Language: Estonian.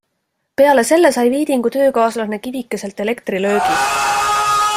Peale selle sai Viidingu töökaaslane kivikeselt elektrilöögi.